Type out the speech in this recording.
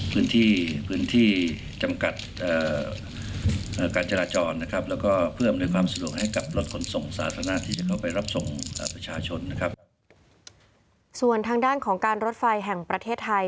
ส่วนทางด้านของการรถไฟแห่งประเทศไทยส่วนทางด้านของการรถไฟแห่งประเทศไทย